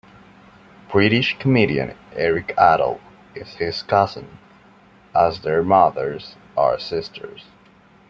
British comedian Eric Idle is his cousin, as their mothers are sisters.